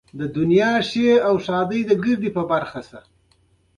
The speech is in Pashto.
د افغانستان د اقتصادي پرمختګ لپاره پکار ده چې دودونه وساتو.